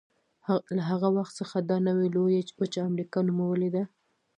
له هغه وخت څخه دا نوې لویه وچه امریکا نومولې ده.